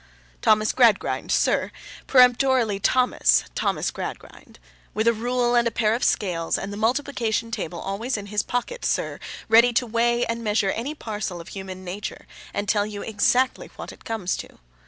Thomas Gradgrind, sir—peremptorily Thomas—Thomas Gradgrind. With a rule and a pair of scales, and the multiplication table always in his pocket, sir, ready to weigh and measure any parcel of human nature, and tell you exactly what it comes to.